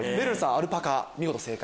アルパカ見事正解。